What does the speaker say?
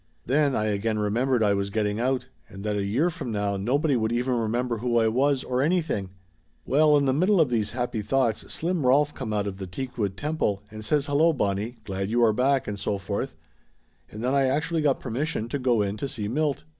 Then I again remembered I was getting out, and that a year from now nobody would even remember who I was, or anything ! Well, in the middle of these happy thoughts Slim Rolf come out of the teakwood temple and says hello Bonnie glad you are back and so forth, and then I ac tually got permission to go in to see Milt.